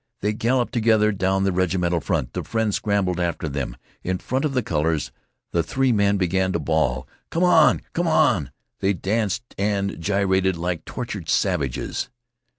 They galloped together down the regimental front. The friend scrambled after them. In front of the colors the three men began to bawl: "Come on! come on!" They danced and gyrated like tortured savages.